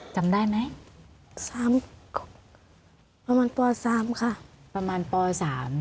จำได้ไหมสามประมาณป๓ค่ะประมาณปสาม